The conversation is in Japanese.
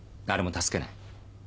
誰も助けない。